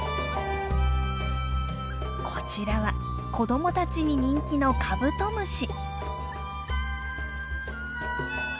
こちらは子供たちに人気のカブトムシ。